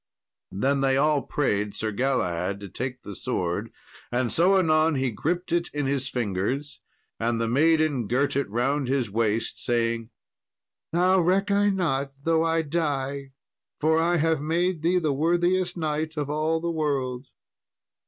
"] Then they all prayed Sir Galahad to take the sword, and so anon he gripped it in his fingers; and the maiden girt it round his waist, saying, "Now reck I not though I die, for I have made thee the worthiest knight of all the world."